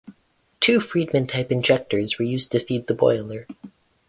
Two Friedmann type injectors were used to feed the boiler.